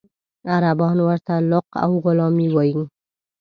عربان ورته لق او غلامي وایي.